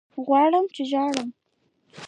غواړمه چې ژاړم